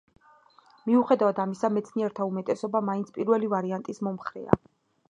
მიუხედავად ამისა, მეცნიერთა უმეტესობა მაინც პირველი ვარიანტის მომხრეა.